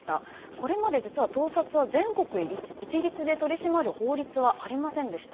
これまで実は盗撮は全国一律で取り締まる法律はありませんでした。